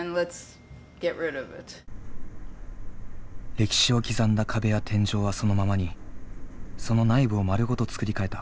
歴史を刻んだ壁や天井はそのままにその内部を丸ごと作り替えた。